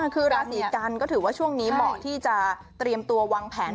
คือราศีกันก็ถือว่าช่วงนี้เหมาะที่จะเตรียมตัววางแผน